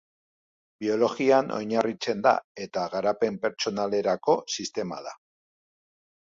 Biologian oinarritzen da eta garapen pertsonalerako sistema da.